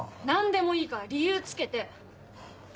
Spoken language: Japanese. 何でもいいから理由つけて！